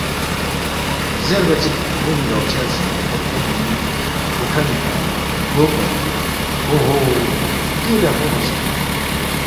زیربا چِک رُومی بادشاہ سی کھوقکھولی بُوکھمی کھہ گو کلے نہ اوہو ، دیُو لیخمو مہ سونگس